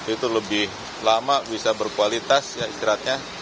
itu lebih lama bisa berkualitas ikratnya